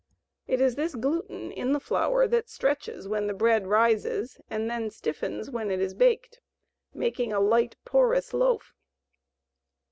It is this gluten in the flour that stretches when bread rises and then stiffens when it is baked, making a light, porous loaf.